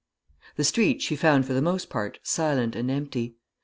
] The streets she found for the most part silent and empty.